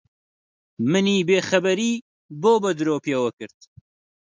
منی بێخەبەری بۆ بە درۆ پێوە کرد؟